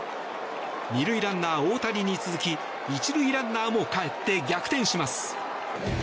２塁ランナー大谷に続き１塁ランナーもかえって逆転します。